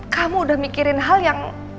kamu udah mikirin hal yang